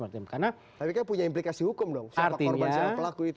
tapi kan punya implikasi hukum dong siapa korban siapa pelaku itu